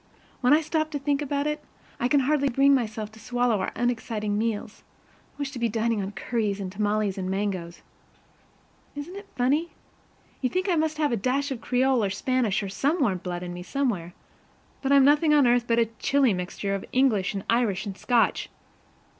When I stop to think about it, I can hardly bring myself to swallow our unexciting meals; I wish to be dining on curries and tamales and mangos. Isn't it funny? You'd think I must have a dash of Creole or Spanish or some warm blood in me somewhere, but I'm nothing on earth but a chilly mixture of English and Irish and Scotch.